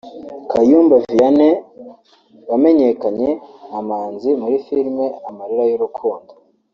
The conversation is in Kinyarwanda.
Kayumba Vianney wamenyekanye nka Manzi muri filime Amarira y’urukundo